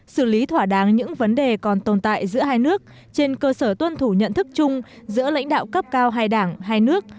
xử lý thỏa đáng những vấn đề còn tồn tại giữa hai nước trên cơ sở tuân thủ nhận thức chung giữa lãnh đạo cấp cao hai đảng hai nước